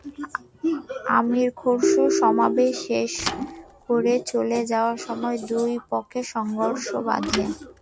আমীর খসরু সমাবেশ শেষ করে চলে যাওয়ার সময় দুই পক্ষে সংঘর্ষ বাধে।